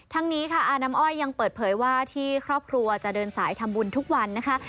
ทั้งนี้ค่ะอาน้ำอ้อยยังเปิดเผยว่าที่ครอบครัวจะเดินสายทำบุญทุกวันนะคะ